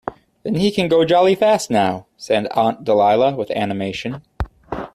"Then he can go jolly fast now," said Aunt Dahlia with animation.